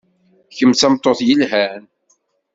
Kemm d tameṭṭut yelhan.